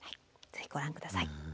ぜひご覧下さい。